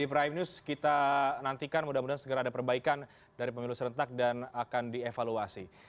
di prime news kita nantikan mudah mudahan segera ada perbaikan dari pemilu serentak dan akan dievaluasi